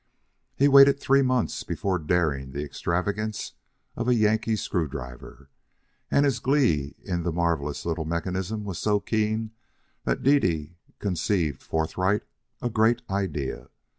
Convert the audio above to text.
He waited three months before daring the extravagance of a Yankee screw driver, and his glee in the marvelous little mechanism was so keen that Dede conceived forthright a great idea.